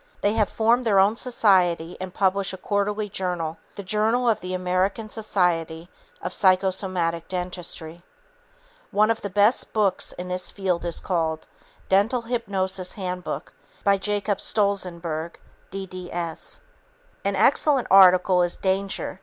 They have formed their own society and publish a quarterly journal, The Journal of the American Society of Psychosomatic Dentistry. One of the best books in this field is called Dental Hypnosis Handbook by Jacob Stolzenberg, D.D.S. An excellent article is "Danger!